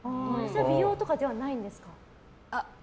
美容とかではないんですか？